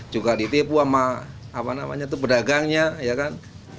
juga ditipu sama apa apa itu pedagangnya ya kan